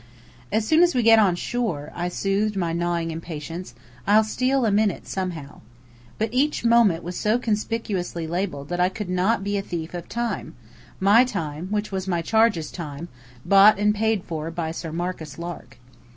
"As soon as we get on shore," I soothed my gnawing impatience, "I'll steal a minute somehow." But each moment was so conspicuously labelled that I could not be a thief of time my time, which was my charges' time, bought and paid for by Sir Marcus Lark.